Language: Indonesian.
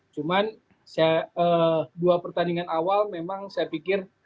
cuman dua pertandingan awal memang saya pikir